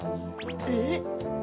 えっ？